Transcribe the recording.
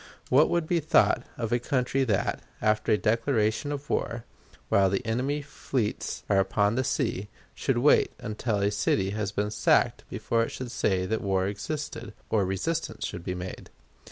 What would be thought of a country that, after a declaration of war, and while the enemy's fleets were upon the sea, should wait until a city had been sacked before it would say that war existed, or resistance should be made?